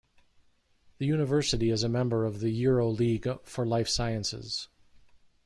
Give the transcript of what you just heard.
The University is a member of the Euroleague for Life Sciences.